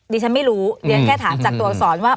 ดิฉันไม่รู้เรียนแค่ถามจากตัวอักษรว่า